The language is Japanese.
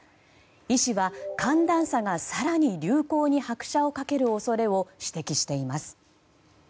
医師は、寒暖差が更に流行に拍車を掛ける恐れを指摘しています。